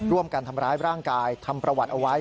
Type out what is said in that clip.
ร่วมกันทำร้ายร่างกายทำประวัติเอาไว้